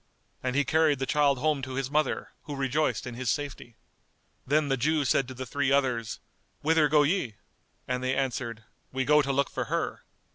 And he carried the child home to his mother, who rejoiced in his safety. Then the Jew said to the three others "Whither go ye?"; and they answered, "We go to look for her."